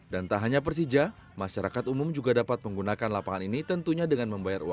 dan tak hanya persija masyarakat umum juga dapat menggunakan lapangan ini tentunya dengan membayar uangnya